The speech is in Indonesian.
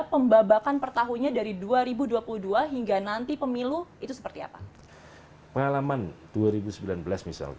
pembabakan pertahunya dari dua ribu dua puluh dua hingga nanti pemilu itu seperti apa